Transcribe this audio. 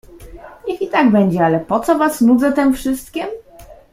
"Niech i tak będzie, ale po co was nudzę tem wszystkiem?"